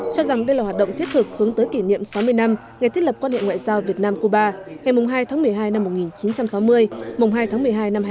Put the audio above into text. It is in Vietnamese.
cho rằng đây là hoạt động thiết thực hướng tới kỷ niệm sáu mươi năm ngày thiết lập quan hệ ngoại giao việt nam cuba ngày hai tháng một mươi hai năm một nghìn chín trăm sáu mươi hai tháng một mươi hai năm hai nghìn hai mươi